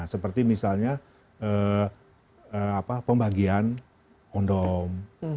seperti misalnya pembagian kondom